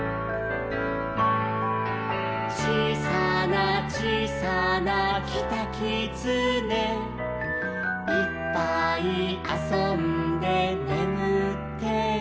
「ちいさなちいさなキタキツネ」「いっぱいあそんでねむってる」